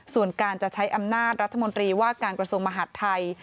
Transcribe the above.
ส่วนการจะใช้อำนาจรัฐมนตรีว่าการกระทรวงมหาดไทย